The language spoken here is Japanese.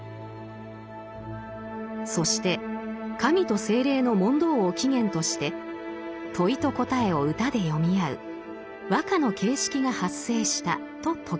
そして神と精霊の問答を起源として問いと答えを歌で詠み合う和歌の形式が発生したと説きました。